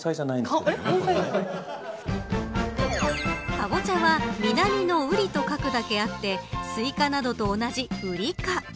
カボチャは南の瓜と書くだけあってスイカなどと同じウリ科。